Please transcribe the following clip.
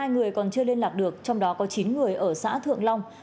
một mươi người còn chưa liên lạc được trong đó có chín người ở xã thượng long